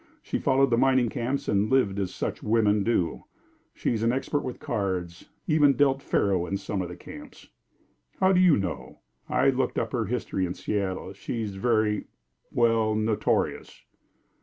She followed the mining camps and lived as such women do. She is an expert with cards she even dealt faro in some of the camps." "How do you know?" "I looked up her history in Seattle. She is very well, notorious."